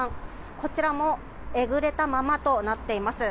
こちらもえぐれたままとなっています。